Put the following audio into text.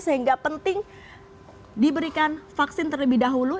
sehingga penting diberikan vaksin terlebih dahulu